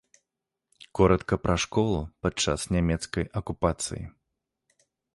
Коратка пра школу падчас нямецкай акупацыі.